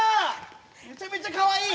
めちゃめちゃかわいい！